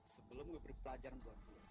sebelum gue beri pelajaran buat gue